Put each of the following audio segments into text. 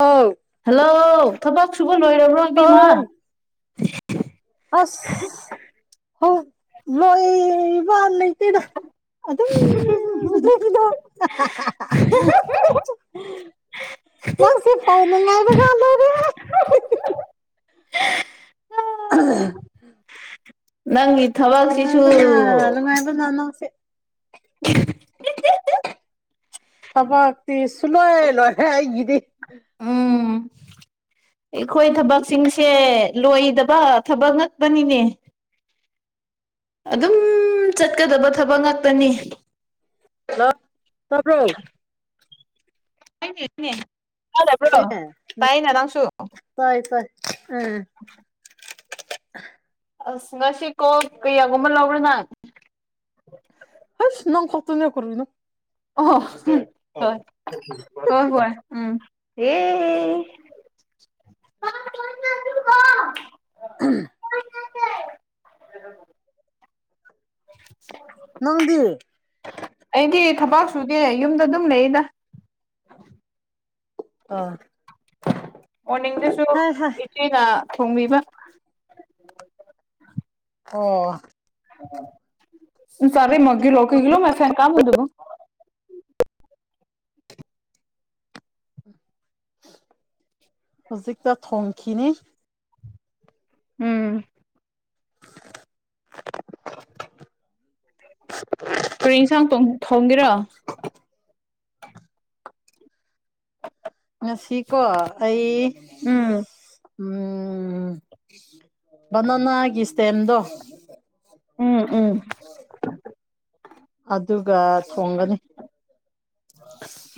ꯑꯧ ꯍꯜꯂꯣ ꯊꯕꯛ ꯁꯨꯕ ꯂꯣꯏꯔꯕ꯭ꯔꯣ ꯏꯕ‌ꯦꯝꯃꯥ ꯍꯣꯏ ꯑꯁ ꯍ ꯂꯣꯏꯕꯅꯤ [unintelligible] ꯆꯠꯊꯣꯛꯄꯗꯣ [inaudible] ꯃꯥ ꯐꯅꯥꯗ [unintelligible] ꯅꯪꯒꯤ ꯑꯗꯨ ꯊꯕꯛꯁꯤꯁꯨ ꯃꯗ ꯑꯗꯨ ꯃꯗꯦ [unintelligible] [inaudible] ꯊꯕꯛꯇꯤ ꯁꯨꯛꯂ‌ꯣꯏ ꯂꯣꯏꯍꯦ ꯑꯩꯒꯤꯗꯤ [inaudible] ꯎꯝ ꯑꯩꯈꯣꯏ ꯊꯕꯛꯁꯤꯡꯁꯦ ꯂꯣꯏꯗꯕ ꯊꯕꯛ ꯉꯛꯇꯅꯤꯅꯦ ꯑꯗꯨꯝ ꯆꯠꯀꯗꯕ ꯊꯕꯛ ꯉꯥꯛꯇꯅꯤ ꯍꯜꯂꯣ ꯇꯥꯕ꯭ꯔꯣ ꯍꯥꯏꯅꯦꯅꯦ ꯌꯥꯗꯕ꯭ꯔꯣ ꯇꯥꯏꯅ ꯅꯪꯁꯨ ꯐꯩ ꯐꯩ ꯎꯝ ꯎꯝ [inaudible] ꯑꯁ ꯉꯁꯤ ꯀꯣꯜ ꯀꯌꯥꯒꯨꯝꯕ ꯂꯧꯕꯔ ꯅꯪ ꯑꯁ ꯅꯪ ꯈꯛꯇꯅꯦ ꯀꯔꯤꯅꯣ ꯑꯣ ꯍꯣꯏ ꯍꯣꯏ ꯍꯣꯏ ꯎꯝ [unintelligible] [unintelligible] [inaudible] ꯅꯪꯗꯤ ꯑꯩꯗꯤ ꯊꯕꯥꯛ ꯁꯨꯗꯦ ꯌꯨꯝꯗ ꯑꯗꯨꯝ ꯂꯩꯌꯦꯗ ꯑꯥ ꯑꯣꯔꯅꯤꯡꯗꯁꯨ ꯍꯥꯏ ꯍꯥꯏ ꯏꯆꯦꯅ ꯊꯣꯡꯕꯤꯕ ꯑꯣ [unintelligible] ꯍꯧꯖꯤꯛꯇ ꯊꯣꯡꯈꯤꯅꯤ ꯎꯝ ꯀꯔꯤ ꯏꯟꯁꯥꯡ ꯇꯣꯡ ꯊꯣꯡꯒꯦꯔꯣ ꯉꯁꯤꯀꯣ ꯑꯩ ꯎꯝ ꯎꯝ ꯕꯥꯅꯥꯅꯥꯒꯤ ꯁ꯭ꯇꯦꯝꯗꯣ ꯎꯝ ꯎꯝ ꯑꯗꯨꯒ ꯊꯣꯡꯒꯅꯤ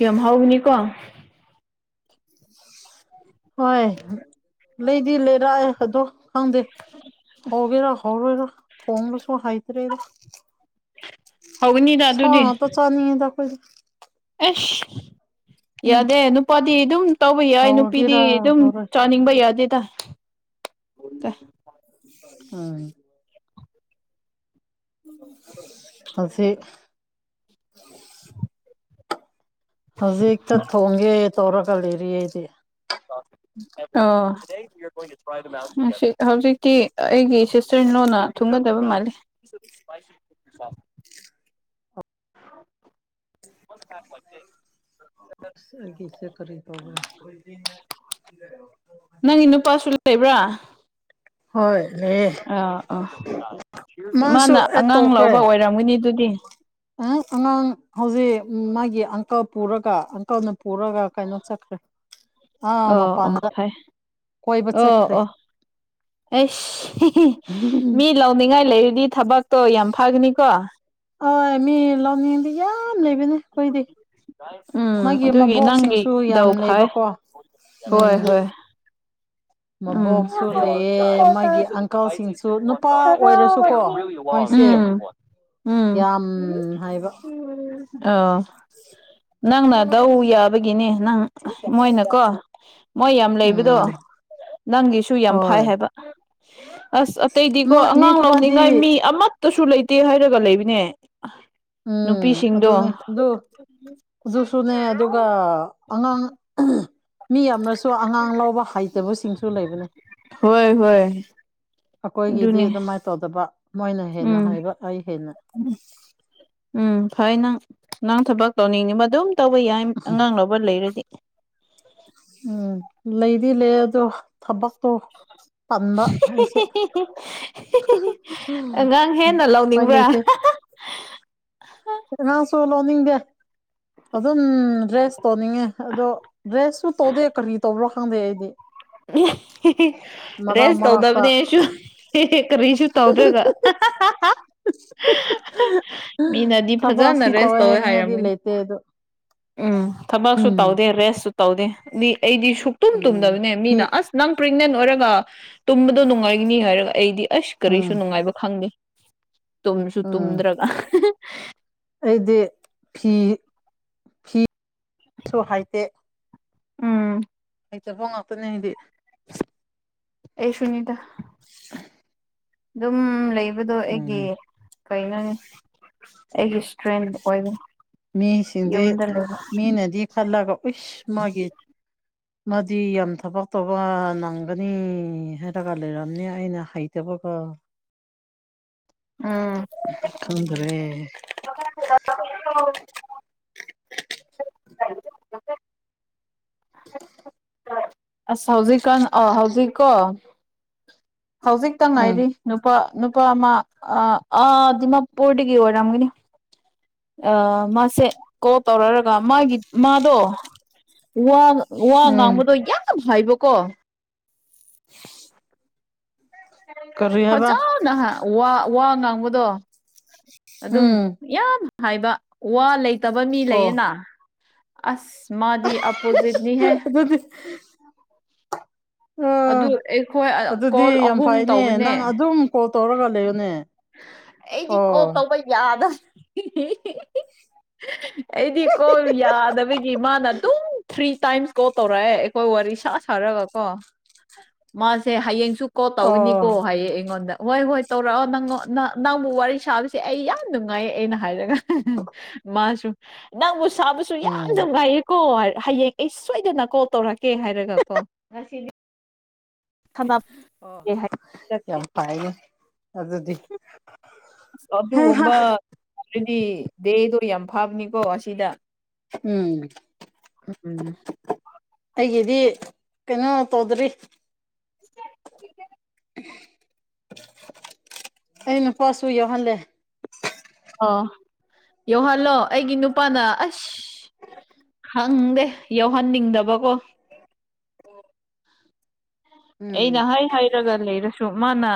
ꯌꯥꯝ ꯍꯥꯎꯒꯅꯤꯀꯣ ꯍꯣꯏ ꯂꯩꯗꯤ ꯂꯩꯔꯑꯦ ꯑꯗꯣ ꯈꯪꯗꯦ ꯍꯧꯒꯦꯔ ꯍꯥꯎꯔꯣꯏꯔ ꯊꯣꯡꯕꯁꯨ ꯍꯩꯇ꯭ꯔꯦꯗ ꯍꯧꯒꯅꯤꯗ ꯁꯥ ꯑꯗꯨꯗꯤ ꯉꯥꯛꯇ ꯆꯥꯅꯤꯡꯉꯤꯗ ꯑꯈꯣꯏꯗꯤ ꯑꯦꯁ [inaudible] ꯌꯥꯗꯦ ꯅꯨꯄꯥꯗꯤ ꯑꯗꯨꯝ ꯇꯧꯕ ꯌꯥꯏ ꯅꯨꯄꯤꯗꯤ ꯍꯧꯒꯦꯔꯥ ꯑꯗꯨꯝ ꯍꯧꯔꯣꯏ ꯆꯥꯅꯤꯡꯕ ꯌꯥꯗꯦꯗ [unintelligible] [unintelligible] ꯍꯧꯖꯤꯛ ꯍꯧꯖꯤꯛꯇ ꯊꯣꯡꯒꯦ ꯇꯧꯔꯒ ꯂꯩꯔꯤꯌꯦ ꯑꯩꯗꯤ [unintelligible] ꯃꯁꯤ ꯍꯧꯖꯤꯛꯇꯤ ꯑꯩꯒꯤ ꯁꯤꯁꯇꯔ ꯏꯟꯂꯣꯅ ꯊꯨꯝꯒꯗꯕ ꯃꯥꯜꯂꯦ [unintelligible] [unintelligible] ꯑꯁ ꯑꯩꯒꯤꯁꯦ ꯀꯔꯤ ꯇꯧꯕꯔ ꯅꯪꯒꯤ ꯅꯨꯄꯥꯁꯨ ꯂꯩꯕ꯭ꯔꯥ ꯍꯣꯏ ꯂꯩꯌꯦ ꯑꯥ ꯑꯣ ꯃꯥꯁꯨ ꯃꯥꯅ ꯑꯦꯠ ꯑꯉꯥꯡ ꯂꯧꯕ ꯑꯣꯏꯔꯝꯒꯅꯤ ꯑꯗꯨꯗꯤ ꯑꯨꯡ ꯑꯉꯥꯡ ꯍꯧꯖꯤꯛ ꯃꯥꯒꯤ ꯑꯪꯀꯜ ꯄꯨꯔꯒ ꯑꯪꯀꯜꯅ ꯄꯨꯔꯒ ꯀꯩꯅꯣ ꯆꯠꯈ꯭ꯔꯦ ꯑꯥ ꯑꯣ ꯑꯣ ꯃꯄꯥꯟꯗ ꯐꯩ ꯀꯣꯏꯕ ꯑꯣ ꯆꯠꯈ꯭ꯔꯦ ꯑꯣ ꯑꯩꯁ ꯃꯤ ꯂꯧꯅꯤꯡꯉꯥꯏ ꯂꯩꯔꯗꯤ ꯊꯕꯛꯇꯣ ꯌꯥꯝ ꯐꯒꯅꯤꯀꯣ ꯑꯣꯏ ꯃꯤ ꯂꯧꯅꯤꯡꯗꯤ ꯌꯥꯝ ꯂꯩꯕꯅꯤ ꯎꯝ ꯑꯗꯨꯒꯤ ꯅꯪꯒꯤ ꯃꯕꯣꯛꯁꯤꯡꯁꯨ ꯌꯥꯝ ꯗꯧ ꯐꯩ ꯂꯩꯕꯀꯣ ꯍꯣꯏ ꯎꯝ ꯍꯣꯏ [unintelligible] ꯎꯝ ꯃꯕꯣꯛꯁꯨ ꯂꯩꯑꯦ ꯃꯥꯒꯤ ꯑꯪꯀꯜꯁꯤꯡꯁꯨ ꯅꯨꯄꯥ ꯑꯣꯏꯔꯁꯨꯀꯣ ꯃꯣꯏꯁꯦ ꯎꯝ ꯌꯥꯝ ꯍꯥꯏꯕ ꯑꯧ ꯅꯪꯅ ꯗꯧ ꯌꯥꯕꯒꯤꯅꯦ ꯅꯪ ꯃꯣꯏꯅꯀꯣ ꯃꯣꯏ ꯌꯥꯝ ꯂꯩꯕꯗꯣ ꯎꯝ ꯅꯪꯒꯤꯁꯨ ꯌꯥꯝ ꯐꯥꯏ ꯍꯣꯏ ꯍꯥꯏꯕ ꯑꯁ ꯑꯇꯩꯗꯤꯀꯣ ꯃꯤ ꯑꯉꯥꯡ ꯈꯔꯗꯤ ꯂꯧꯅꯤꯡꯉꯥꯏ ꯃꯤ ꯑꯃ ꯇꯁꯨ ꯂꯩꯇꯦ ꯍꯥꯏꯔꯒ ꯂꯩꯕꯅꯦ ꯎꯝ ꯑꯗꯨꯅꯦ ꯑꯗꯨ ꯎꯝ ꯑꯗꯨꯁꯨꯅꯦ ꯑꯗꯨꯒ ꯑꯉꯥꯡ ꯃꯤ ꯌꯥꯝꯅꯁꯨ ꯁ ꯑꯉꯥꯡ ꯂꯕ ꯍꯩꯇꯕꯁꯤꯡꯁꯨ ꯂꯩꯕꯅꯦ ꯍꯣꯏ ꯍꯣꯏ ꯑꯩꯈꯣꯏꯒꯤꯗꯤ ꯑꯗꯨꯅꯦ ꯑꯗꯨꯃꯥꯏꯅ ꯇꯧꯗꯕ ꯃꯣꯏꯅ ꯍꯦꯟꯅ ꯎꯝ ꯍꯥꯏꯕ ꯑꯩ ꯍꯦꯟꯅ ꯎꯝ ꯐꯩ ꯅꯪ ꯅꯪ ꯊꯕꯛ ꯇ ꯂꯧꯅꯤꯡꯉꯤꯕ ꯑꯗꯨꯝ ꯇꯧꯕ ꯌꯥꯏ ꯑꯉꯥꯡ ꯂ ꯂꯩꯔꯗꯤ ꯎꯝ ꯂꯩꯗꯤ ꯂꯩ ꯑꯗꯣ ꯊꯕꯛ [unintelligible] ꯑꯉꯥꯡ ꯍꯦꯟꯅ ꯎꯄꯥꯏ ꯂꯧꯅꯤꯡꯕ꯭ꯔꯥ ꯂꯩꯇꯦ ꯉꯥꯁꯨ ꯂꯧꯅꯤꯡꯗꯦ ꯑꯗꯨꯝ ꯗ꯭ꯔꯦꯁ ꯇꯧꯅꯤꯡꯉꯦ ꯑꯗꯣ ꯗ꯭ꯔꯦꯁꯁꯨ ꯇꯧꯗꯦ ꯀꯔꯤ ꯇꯧꯕ꯭ꯔꯣ ꯈꯪꯗꯦ ꯑꯩꯗꯤ ꯃꯔꯛ ꯔꯦꯁ ꯃꯔꯛꯇ ꯇꯧꯗꯕꯅꯦꯁꯨꯔꯤꯁꯨ ꯇꯧꯗ꯭ꯔꯦꯒ ꯃꯤꯅꯗꯤ ꯐꯖꯅ ꯊꯕꯛꯁꯤ ꯔꯦꯁ ꯇꯧꯋꯦ ꯍꯥꯏꯅꯤꯡꯉꯥꯏꯗꯤ ꯍꯥꯏꯔꯝꯃꯣꯏꯅꯤ ꯂꯩꯇꯦ ꯑꯗꯣ ꯎꯝ ꯊꯕꯛꯁꯨ ꯎꯝ ꯇꯧꯗꯦ ꯔꯦꯁꯁꯨ ꯇꯧꯗꯦ ꯑꯗꯨ ꯑꯩꯗꯤ ꯁꯨꯛꯇꯨꯝ ꯎꯝ ꯇꯨꯝꯗꯕꯅꯦ ꯐꯤ ꯃꯤꯅ ꯑꯁ ꯅꯪ ꯄ꯭ꯔꯦꯒꯅꯦꯟ ꯑꯣꯏꯔꯒ ꯇꯨꯝꯕꯗꯣ ꯅꯨꯡꯉꯥꯏꯒꯅꯤ ꯍꯥꯏꯔꯒ ꯑꯩꯗꯤ ꯑꯁ ꯎꯝ ꯀꯔꯤꯁꯨ ꯅꯨꯡꯉꯥꯏꯕ ꯈꯪꯗꯦ ꯇꯨꯝꯁꯨ ꯎꯝ ꯇꯨꯝꯗ꯭ꯔꯒ ꯑꯩꯗꯤ ꯐꯤ ꯐꯤꯁꯨ ꯍꯥꯏꯇꯦ ꯎꯝ ꯑꯩ ꯆ ꯐꯣꯡ ꯉꯥꯛꯇꯅꯦ ꯍꯥꯏꯗꯤ ꯑꯩ ꯁꯅꯤꯗ ꯑꯗꯨꯝ ꯂꯩꯕꯗꯣ ꯑꯩꯒꯤ ꯎꯝ ꯀꯩꯅꯣꯅꯤ ꯑꯩꯒꯤ ꯏꯁꯇ꯭ꯔꯦꯟ ꯑꯣꯏꯕ ꯌꯨꯝꯗ ꯂꯩꯕ ꯃꯤ ꯅꯗꯤ ꯈꯜꯂꯒ ꯎꯁ ꯃꯥꯒꯤ ꯃꯥꯗꯤ ꯌꯥꯝ ꯊꯕꯛ ꯇꯧꯕ ꯅꯪꯒꯅꯤ ꯍꯥꯏꯔꯒ ꯂꯩꯔꯝꯅꯤ ꯑꯩꯅ ꯍ ꯇꯦꯕꯒ ꯎꯝ ꯈꯗ꯭ꯔꯦ [unintelligible] ꯑꯁ ꯍꯧꯖꯤꯛꯀꯥꯟ ꯑ ꯍꯧꯖꯤꯛꯀꯣ ꯍꯧꯖꯤꯛꯇ ꯎꯝ ꯉꯥꯏꯔꯤ ꯅꯨꯄꯥ ꯅꯨꯄꯥ ꯑꯃ ꯑ ꯗꯤꯃꯥꯄꯨꯔꯗꯒꯤ ꯑꯣꯏꯔꯝꯒꯅꯤ ꯑ ꯃꯥꯁꯦ ꯀꯣꯜ ꯇꯧꯔꯔꯒ ꯃꯥꯒꯤ ꯃꯥꯗꯣ ꯋꯥ ꯋꯥ ꯎꯝ ꯉꯥꯡꯕꯗꯣ ꯌꯥꯝꯅ ꯍꯥꯏꯕꯀꯣ [unintelligible] ꯀꯔꯤ ꯍꯥꯏꯕ ꯐꯖꯅ ꯋꯥ ꯉꯥꯡꯕꯗꯣ ꯑꯗꯨꯝ ꯎꯝ ꯌꯥꯝ ꯍꯥꯏꯕ ꯋꯥ ꯂꯩꯇꯕ ꯃꯤ ꯑꯣ ꯂꯩꯌꯦꯅ ꯑꯁ ꯃꯥꯗꯤ ꯑꯄꯣꯖꯤꯠꯅꯤ ꯍꯦ ꯑ ꯑꯥ ꯑꯗꯨ ꯑꯩꯈꯣꯏ ꯑꯗꯨꯗꯤ ꯀꯣꯜ ꯌꯥꯝ ꯑꯍꯨꯝ ꯐꯩꯅꯦ ꯇꯧꯕꯅꯦ ꯅꯪ ꯑꯗꯨꯝ ꯀꯣꯜ ꯇꯧꯔꯒ ꯂꯩꯕꯅꯦ ꯑꯩꯗꯤ ꯀꯣꯞ ꯇꯧꯕ ꯌꯥꯗ [unintelligible] ꯑꯩꯗꯤꯀꯣ ꯌꯥꯗꯕꯒꯤ ꯃꯥꯅ ꯑꯗꯨꯝ ꯊ꯭ꯔꯤ ꯇꯥꯏꯝꯁ ꯀꯣ ꯇꯧꯔꯛꯑꯦ ꯑꯩꯈꯣꯏ ꯋꯥꯔꯤ ꯁꯥ ꯁꯥꯔꯒ ꯀꯣ [unintelligible] ꯃꯥꯁꯦ ꯍꯌꯦꯡꯁꯨ ꯀꯣ ꯑꯣ ꯇꯧꯤꯅꯤꯀꯣ ꯍꯌꯦꯡ ꯑꯩꯉꯣꯟꯗ ꯍꯣꯏ ꯍꯣꯏ ꯇꯧꯔꯛꯑꯣ ꯅꯪ ꯅꯪꯕꯨ ꯋꯥꯔꯤ ꯁꯥꯕꯁꯦ ꯑꯩ ꯌꯥꯝ ꯅꯨꯡꯉꯥꯏꯌꯦ ꯑꯩꯅ ꯍꯥꯏꯔꯒ ꯃꯥꯁꯨ ꯅꯪꯕꯨ ꯁꯥꯕꯁꯨ ꯌꯥꯝ ꯎꯝ ꯌꯥꯝ ꯉꯥꯏꯌꯦꯀꯣ ꯍꯌꯦꯡ ꯑꯩ ꯁꯣꯏꯗꯅ ꯀꯣꯜ ꯇꯧꯔꯛꯀꯦ ꯍꯥꯏꯔꯒ ꯀꯣ ꯉꯁꯤꯗꯤ ꯁꯥꯟꯅꯒꯦ ꯑꯣ ꯍꯥꯏ ꯌꯥꯝ ꯑꯁ ꯄꯥꯏꯌꯦ ꯑꯗꯨꯗꯤ ꯑꯁ ꯍꯩꯍꯥ ꯑꯗꯨꯒꯨꯝꯕ ꯑꯗꯨꯗꯤ ꯗꯦꯗꯣ ꯌꯥꯝ ꯐꯥꯕꯅꯤꯀꯣ ꯑꯁꯤꯗ ꯎꯝ ꯎꯝ ꯎꯝ ꯑꯩꯒꯤꯗꯤ ꯀꯩꯅꯣ ꯇꯧꯗ꯭ꯔꯤ [unintelligible] ꯑꯩꯅ ꯄꯁꯨꯎ ꯍꯜꯂꯦ ꯑꯣ ꯌꯧꯍꯜꯂꯣ ꯑꯩꯒꯤ ꯅꯨꯄꯥꯅ ꯑꯁ ꯍꯪꯗꯦ ꯌꯥꯎꯍꯟꯅꯤꯡꯗꯕꯀꯣ ꯑꯩꯅ ꯎꯝ ꯍꯥꯏ ꯍꯥꯏꯔꯒ ꯂꯩꯔꯁꯨ ꯃꯥꯅ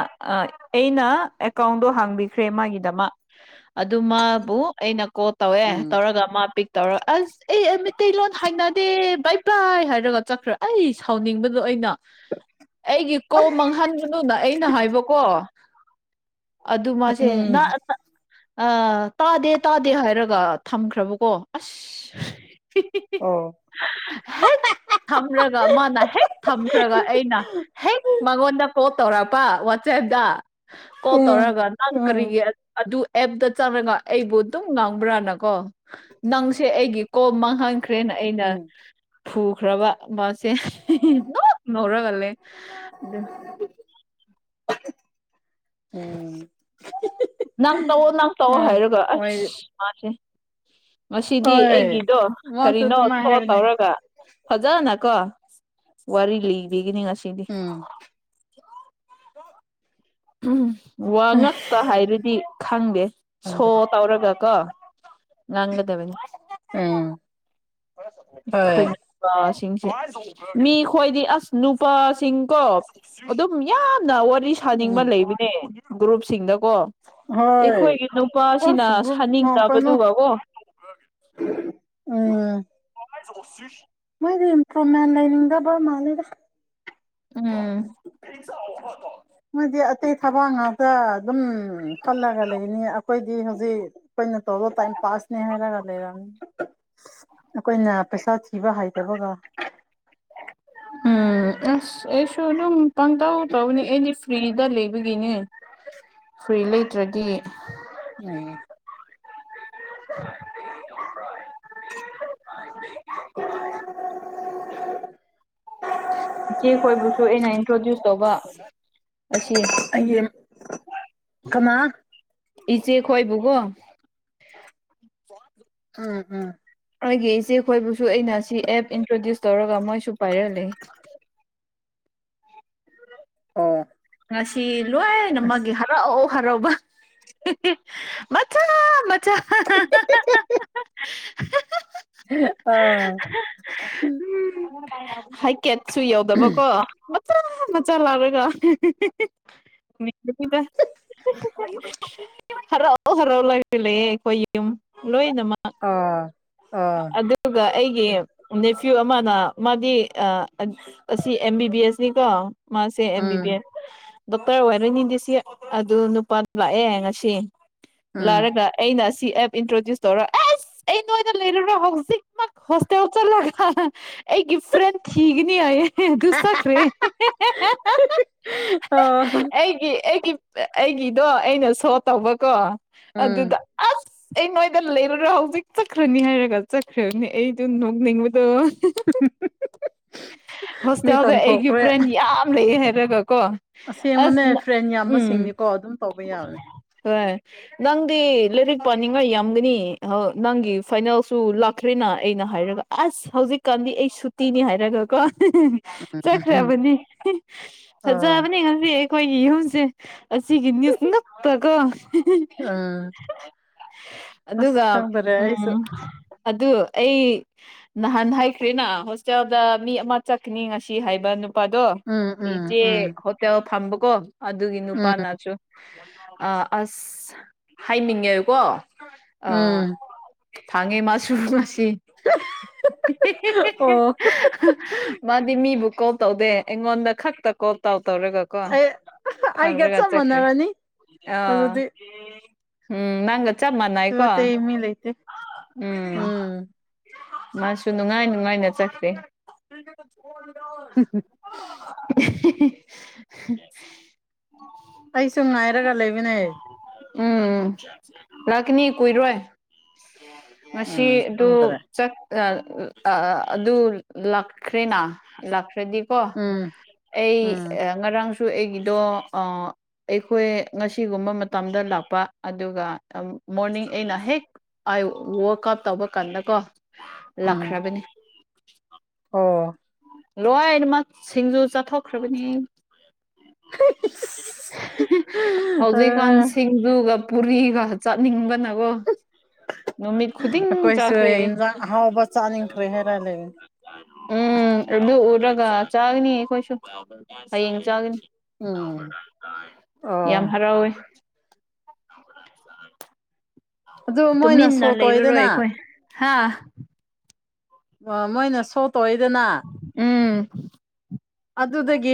ꯑꯩꯅ ꯑꯦꯀꯥꯎꯟꯗꯣ ꯍꯥꯡꯕꯤꯈ꯭ꯔꯦ ꯃꯥꯒꯤꯗꯃꯛ ꯑꯗꯨ ꯃꯥꯕꯨ ꯑꯩꯅ ꯀꯣ ꯇꯧꯋꯦ ꯎꯝ ꯇꯧꯔꯒ ꯃꯥ ꯄꯤꯛ ꯇꯧꯔ ꯑꯁ ꯑꯦ ꯑ ꯃꯤꯇꯩꯂꯣꯟ ꯍꯩꯅꯗꯦ ꯕꯥꯏ ꯕꯥꯏ ꯍꯥꯏꯔꯒ ꯆꯠꯈ꯭ꯔ ꯑꯩ ꯁꯥꯎꯅꯤꯡꯕꯗꯣ ꯑꯩꯅ ꯑꯩꯒꯤ ꯀꯣ ꯃꯥꯡꯍꯟꯕꯗꯨꯗ ꯑꯩꯅ ꯍꯥꯏꯕꯀꯣ ꯑꯗꯨ ꯃꯥꯁꯦ ꯎꯝ ꯑ ꯇꯥꯗꯦ ꯇꯥꯗꯦ ꯍꯥꯏꯔꯒ ꯊꯝꯈ꯭ꯔꯕꯀꯣ ꯑꯁ [inaudible] ꯑꯣ ꯍꯦꯛ ꯊꯝ꯭ꯔꯒ ꯃꯥꯅ ꯍꯦꯛ ꯊꯝꯈ꯭ꯔꯒ ꯑꯩꯅ ꯍꯦꯛ ꯃꯉꯣꯟꯗ ꯀꯣꯜ ꯇꯧꯔꯛꯄ ꯋꯥꯆꯦꯞꯇ ꯀꯣꯜ ꯎꯝ ꯇꯧꯔꯛꯑꯒ ꯅꯪ ꯎꯝ ꯀꯔꯤꯒꯤ ꯑꯗꯨ ꯑꯦꯞꯇ ꯆꯪꯉꯒ ꯑꯩꯕꯨ ꯑꯗꯨꯝ ꯉꯥꯡꯕ꯭ꯔꯥꯅꯀꯣ ꯅꯪꯁꯦ ꯑꯩꯒꯤ ꯀꯣꯝ ꯃꯥꯡꯍꯟꯈ꯭ꯔꯦꯅ ꯑꯩꯅ ꯎꯝ ꯐꯨꯈ꯭ꯔꯕ ꯃꯥꯁꯦ ꯑꯗꯨꯝ ꯅꯣꯛꯂꯒ ꯂꯩ ꯑꯗꯨ ꯎꯝ ꯅꯪ ꯇꯛꯑꯣ ꯅꯪ ꯇꯛꯑꯣ ꯑ ꯍꯥꯏꯔꯒ ꯍꯣꯏ ꯑꯁ ꯃꯥꯁꯦ ꯉꯁꯤꯗꯤ ꯍꯣꯏ ꯑꯩꯒꯤꯗꯣ ꯃꯥꯁꯨ ꯀꯔꯤꯅꯣ ꯑꯗꯨꯃꯥꯏ ꯁꯣ ꯍꯥꯏꯕꯅꯦ ꯇꯧꯔꯒ ꯐꯖꯅꯀꯣ ꯋꯥꯔꯤ ꯂꯤꯕꯤꯒꯤꯅꯤ ꯉꯁꯤꯗꯤ ꯎꯝ ꯎꯝ ꯋꯥ ꯉꯛꯇ ꯍꯥꯏꯔꯗꯤ ꯈꯪꯗꯦ ꯁꯣ ꯈꯪꯕꯅꯦ ꯇꯧꯔꯒ ꯀꯣ ꯉꯪꯗꯕꯅꯤ ꯎꯝ ꯈꯣꯏ ꯍꯣꯏ ꯅꯨꯄꯥ ꯁꯤꯡꯁꯦ ꯃꯤ ꯈꯣꯏꯗꯤ ꯑꯁ ꯅꯨꯄꯥꯁꯤꯡ ꯀꯣ ꯑꯗꯨꯝ ꯌꯥꯝꯅ ꯋꯥꯔꯤ ꯁꯥꯅꯤꯡꯕ ꯎꯝ ꯂꯩꯕꯅꯦ ꯒ꯭ꯔꯨꯞꯁꯤꯡꯗꯀꯣ ꯍꯣꯏ ꯑꯩꯈꯣꯏꯒꯤ ꯅꯨꯄꯥꯁꯤꯅ ꯑꯁ ꯒ꯭ꯔꯨꯞ ꯁꯥꯅꯤꯡꯗꯕꯗꯨ ꯀꯩꯅꯣ ꯕꯣ ꯎꯝ ꯁꯤ ꯃꯣꯏꯗꯤ ꯏꯝꯄ꯭ꯔꯨꯚꯃꯦꯟ ꯂꯩꯅꯤꯡꯗꯕ ꯃꯥꯜꯂꯤꯗ ꯎꯝ ꯃꯣꯏꯗꯤ ꯑꯇꯩ ꯊꯕ ꯉꯥꯛꯇ ꯑꯗꯨꯝ ꯄꯜꯂꯒ ꯂꯩꯅꯤ ꯑꯩꯈꯣꯏꯗꯤ ꯍꯧꯖꯤꯛ ꯑꯩꯈꯣꯏꯅ ꯇꯧꯕ ꯇꯥꯏꯝ ꯄꯥꯁꯅꯤ ꯍꯥꯏꯔꯒ ꯂꯩꯔꯝꯅꯤ ꯑꯩꯈꯣꯏꯅ ꯄꯩꯁꯥ ꯊꯤꯕ ꯍꯥꯏꯗꯕꯒ ꯎꯝ ꯑꯁ ꯑꯩꯁꯨ ꯑꯗꯨꯝ ꯄꯪꯇꯧ ꯇꯧꯕꯅꯤ ꯑꯩꯗꯤ ꯐ꯭ꯔꯤꯗ ꯂꯩꯕꯒꯤꯅꯦ꯫ ꯐ꯭ꯔꯤ ꯂꯩꯇ꯭ꯔꯗꯤ ꯎꯝ [unintelligible] [unintelligible] ꯆꯦꯛꯏꯕꯨꯁꯨ ꯑꯩꯅ ꯏꯟꯇ꯭ꯔꯣꯗ꯭ꯌꯨꯁ ꯇꯧꯕ ꯑꯁꯤ ꯑꯩꯒꯤ ꯀꯅꯥ ꯏꯆꯦ ꯈꯣꯏꯕꯒꯣ ꯎꯝ ꯎꯝ ꯑꯩꯣꯏꯒꯤ ꯏꯆꯦꯈꯣꯏꯕꯨꯁꯨ ꯑꯩꯅ ꯁꯤ ꯑꯦꯞ ꯏꯟꯇ꯭ꯔꯣꯗ꯭ꯌꯨꯁ ꯇꯧꯔꯒ ꯃꯣꯏꯁꯨ ꯄꯥꯏꯔꯂ ꯑꯣ ꯉꯁꯤ ꯑꯁ ꯂꯣꯏꯅꯃꯛꯒꯤ ꯍꯔꯥꯎ ꯍꯔꯥꯎꯕ ꯃꯆꯥ ꯃꯆꯥ ꯑꯥ ꯎꯝ ꯍꯥꯏꯀꯦꯠꯁꯨ ꯌꯧꯗꯕꯀꯣ ꯃꯆꯥ ꯃꯆꯥ ꯂꯥꯛꯔꯥꯒ꯫ ꯍꯤꯍꯤ [unintelligible] ꯑꫭ ꯍꯜꯂꫭ ꯂꫭꯏꯅꯥ ꯂꯩꯌ° ꯑꯩꯈꯣꯏ ꯌꯨꯝ ꯂꯣꯏꯅꯃꯛ ꯑꯥ ꯑꯥ ꯑꯗꯨꯒꯥ ꯑꯩꯒꯤ ꯅꯦꯐ꯭ꯌꯨ ꯑꯃꯅꯥ ꯃꯥꯗꯤ ꯑꯥ ꯑꯁꯤ ꯑꯦꯝ ꯕꯤ ꯕꯤ ꯑꯦꯁꯅꯤ ꯀꯣ ꯃꯥꯁꯦ M B um B S doctor ꯋꯥꯏꯔꯣꯏꯅꯤꯗꯤ ꯁꯤ ꯑꯗꯨꯒꯤ ꯅꯨꯄꯥꯗꯨ ꯂꯥꯛꯑꯦ ꯉꯁꯤ ꯎꯝ ꯂꯥꯛꯔꯒ ꯑꯩꯅ ꯑꯁꯤ ꯑꯦꯞ ꯏꯟꯇ꯭ꯔꯣꯗ꯭ꯌꯨꯁ ꯇꯧꯔ ꯑꯥꯁ ꯑꯩ ꯅꯣꯏꯗꯥ ꯂꯩꯔꯥꯔꫭ ꯍꯧꯖꯤꯛ ꯃꯛ ꯍꯣꯁꯇꯦꯜ ꯆꯂꯒꯥ ꯑꯩꯒꯤ ꯐ꯭ꯔꯦꯟ ꯊꯧꯒꯅꯤ ꯍꯥꯏꯌꯦ ꯑꯗꯨꯨ ꯆꯠꯈꯔꯦ ꯍꯦ ꯍꯦ ꯑꯣ ꯑꯩꯒꯤ ꯑꯩꯒꯤ ꯑꯩꯒꯤꯗꯣ ꯑꯩꯅꯥ ꯁꯣ ꯇꯧꯕꯥ ꯀꯣ ꯑꯗꯨꯗꯥ ꯎ [inaudible] ꯑꯩ ꯅꯣꯏꯗ ꯂꯩꯔꯥꯔꫭꯏ ꯍꯧꯖꯤꯛ ꯆꯠꯈ꯭ꯔꯅꯤ ꯍꯥꯏꯔꯒ ꯆꯠꯈ꯭ꯔꯅꯤ ꯑꯩꯗꯨ ꯅꯣꯛꯅꯤꯡꯕꯗꯣ ꯍꯥꯍꯥ ꯃꯤ ꯍꯣꯁꯇꯦꯜꯗ ꯑꯩꯒꯤ ꯇꯟꯊꯣꯛꯈ꯭ꯔꯦ ꯐ꯭ꯔꯦꯟ ꯃꯌꯥꯝ ꯂꯩꯑꯦ ꯍꯥꯏꯔꯒꯥ ꯀꯣ ꯑꯁꯦꯡꯕꯅꯦ ꯑꯁ ꯀꫭ ꯐ꯭ꯔꯦꯟ ꯎꯝ ꯌꯥꯝꯕꯁꯤꯡꯗꯤ ꯑꯗꯨꯝ ꯇꯧꯕ ꯌꯥꯕꯅꯦ ꯍꯣꯏ ꯅꯪꯗꯤ ꯂꯥꯏꯔꯤꯛ ꯄꯥꯅꯤꯡꯉꯥꯏ ꯌꯥꯝꯒꯅꯤ ꯅꯥ ꯅꯪꯒꯤ ꯐꯥꯏꯅꯦꯜꯁꯨ ꯂꯥꯛꯈ꯭ꯔꯦꯅꯥ ꯑꯩꯅ ꯍꯥꯏꯔꯒꯥ ꯑꯥꯁ ꯍꯧꯖꯤꯛꯀꯥꯟꯗꯤ ꯑꯩ ꯁꯨꯇꯤꯅꯤ ꯍꯥꯏꯔꯒꯀꯣ ꯎꯝ ꯆꯠꯈ꯭ꯔꯕꯅꯤ ꯑꯥ ꯐꯖꯕꯅꯤꯗ ꯉꯁꯥꯏ ꯑꯌꯨꯛ ꯇꯥꯒꯤ ꯑꯩꯈꯣꯏꯒꯤ ꯌꯨꯝꯁꯦ ꯑꯁꯤꯒꯤ ꯅꯤꯁ ꯉꯥꯛꯇꯥ ꯀꫭ ꯎꯝ ꯑꯁ ꯑꯗꯨꯒꯥ ꯈꯪꯗꯔꯦ ꯑꯩꯁꯨ ꯎꯝ ꯑꯗꯨ ꯑꯩ ꯅꯍꯥꯟ ꯍꯥꯏꯈ꯭ꯔꯦꯅꯥ ꯍꯣꯁꯇꯦꯜꯗꯥ ꯃꯤ ꯑꯃ ꯆꯠꯀꯅꯤ ꯉꯁꯤ ꯍꯥꯏꯕ ꯅꯨꯄꯥꯗꯣ ꯎꯝ ꯎꯝ ꯆꯦ ꯎꯝ ꯍꯣꯇꯦꯜ ꯐꯝꯕꯀꯣ ꯑꯗꯨꯒꯤ ꯎꯝ ꯅꯨꯄꯥꯅ ꯁꯨ ꯑꯥꯑ ꯑꯥꯁ ꯍꯥꯏꯅꯤꯡꯉꯦꯀꯣ ꯎꯝ ꯑꯥ ꯊꯥꯡꯉꯦ ꯃꯥꯁꯨ ꯉꯁꯤ ꯑꯣ [unintelligible] ꯃꯥꯗꯤ ꯃꯤꯕꯨ ꯀꯣꯜ ꯇꯧꯗꯦ ꯑꯩꯉꯣꯟꯗꯥ ꯈꯛꯇ ꯀꯣꯜ ꯇꯥꯎ ꯇꯧꯔꯒꯥ ꯀꫭ ꯑꯩ ꯑꯩꯒ ꯐꯡꯉꯥꯒꯥ ꯆꯞ ꯆꯠꯈꯔꯦ ꯃꯥꯟꯅꯔꯅꯤ ꯑꯥ ꯑꯗꯨꯗꯤ ꯎꯝꯝ ꯅꯪꯒꯥ ꯆꯞ ꯀꯩꯁꯨ ꯃꯥꯅꯩꯀꯣ ꯑꯇꯩ ꯃꯤ ꯂꯩꯇꯦ ꯎꯝꯝ ꯎꯝ ꯃꯥꯁꯨ ꯅꯨꯡꯉꯥꯏ ꯅꯨꯡꯉꯥꯏꯅ ꯆꯠꯈꯔꯦ [unintelligible] ꯑꯩꯁꯨ ꯉꯥꯏꯔꯒꯥ ꯂꯩꯕꯅꯦ ꯎꯝꯝ ꯂꯥꯛꯀꯅꯤ ꯀꯨꯏꯔꯣꯏ ꯃꯁꯤ ꯎꯝ ꯑꯗꯨ ꯈꯪꯗ꯭ꯔꯦ ꯆꯠ ꯔꯥꯛ ꯑꯥ ꯑꯗꯨ ꯂꯥꯛꯈ꯭ꯔꯦꯅꯥ ꯂꯥꯛꯈ꯭ꯔꯗꯤꯀꯣ ꯎꯝ ꯑꯩ ꯎꯝ ꯉꯔꯥꯡꯁꯨ ꯑꯩꯒꯤꯗꯣ ꯑꯥ ꯑꯩꯈꯣꯏ ꯉꯁꯤꯒꯨꯝꯕ ꯃꯇꯝꯗꯥ ꯂꯥꯛꯄ ꯑꯗꯨꯒꯥ ꯃꯣꯔꯅꯤꯡ ꯑꯩꯅ ꯍꯦꯛ ꯑꯩ ꯋꯥꯛꯀꯞ ꯇꯧꯕ ꯀꯥꯟꯗꯀꯣ ꯎꯝ ꯂꯥꯛꯈ꯭ꯔꯕꯅꯤ ꯑꯣ ꯂꯣꯏꯅꯃꯛ ꯁꯤꯡꯖꯨ ꯆꯠꯊꯣꯛꯈ꯭ꯔꯕꯅꯤ ꯍꯧꯖꯤꯀꯥꯟ ꯑ ꯁꯤꯗꯨꯒꯥ ꯄꯨꯔꯤꯒ ꯆꯠꯅꯤꯡꯕꯅꯥ ꯀꯣ ꯅꯨꯃꯤꯠ ꯈꯨꯗꯤꯡꯒꯤ ꯑꯩꯈꯣꯏꯁꯨ ꯆꯥꯈ꯭ꯔꯦ ꯏꯟꯖꯥꯡ ꯑꯍꯥꯎꯕ ꯆꯥꯅꯤꯡꯈꯔꯦꯍꯦ ꯔꯥꯏꯂ° ꯎꯝꯝ ꯑꯗꯨ ꯎꯔꯒꯥ ꯆꯥꯒꯅꯤ ꯑꯩꯈꯣꯏꯁꯨ ꯍꯌꯦꯡ ꯆꯥꯒꯅꯤ ꯎꯝ ꯑꯣ ꯍꯥꯎꯔꯌꯦ ꯑꯗꯨ ꯃꯣꯏꯅ ꯇꯨꯃꯤꯟꯅ ꯁꯣ ꯂꯩꯔꯔꯣꯏ ꯇꯧꯋꯤꯗꯅ ꯑꯩꯈꯣꯏ ꯍꯥ ꯃꯣꯏꯅ ꯁꯣ ꯇꯧꯏꯗꯅ ꯎꯝ ꯑꯗꯨꯗꯒꯤ